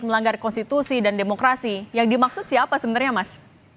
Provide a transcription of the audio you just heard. melanggar konstitusi dan demokrasi yang dimaksud siapa sebenarnya mas